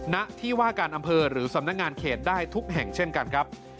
ณที่ว่าการอำเภอหรือสำนักงานเขตได้ทุกแห่งเช่นกันครับ